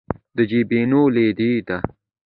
د جېبونو لوټېده دي